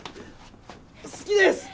好きです！